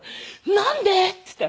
「なんで？」って言って。